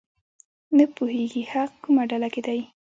نه پوهېږي حق کومه ډله کې دی.